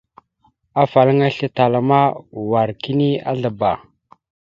Afalaŋa islétala ma wa kini azlaba.